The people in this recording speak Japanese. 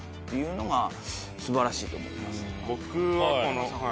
僕はこの。